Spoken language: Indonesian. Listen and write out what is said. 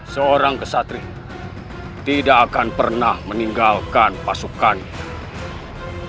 seorang kesatri tidak akan pernah meninggalkan pasukannya